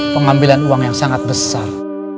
pengambilan uang yang sangat besar